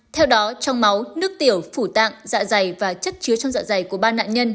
theo đó trong máu nước tiểu phủ tạng dạ dày và chất chứa trong dạ dày của ba nạn nhân